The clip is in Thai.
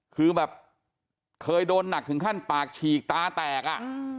คือแบบเคยโดนหนักถึงขั้นปากฉีกตาแตกอ่ะ